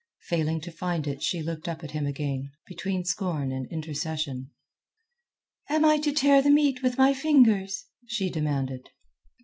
Failing to find it she looked up at him again, between scorn and intercession. "Am I to tear the meat with my fingers?" she demanded.